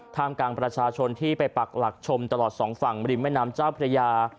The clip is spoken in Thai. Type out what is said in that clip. ท่ามกลางประชาชนที่ไปปักหลักชมตลอดสองฝั่งริมแม่น้ำเจ้าพระยา